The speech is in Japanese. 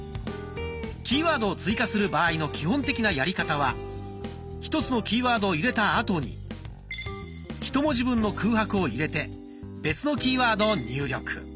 キーワードを追加する場合の基本的なやり方は１つのキーワードを入れたあとにひと文字分の空白を入れて別のキーワードを入力。